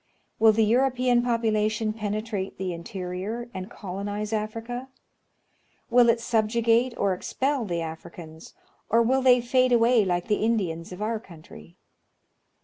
Will the European population penetrate the interior, and colonize Africa ? Will it subjugate or expel the Africans, or will they fade away like the Indians of our country